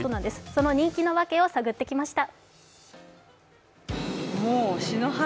その人気のワケを探ってきました。